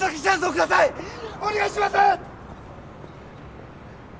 お願いします！